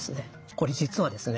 これ実はですね